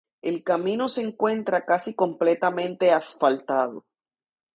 El camino se encuentra casi completamente asfaltado.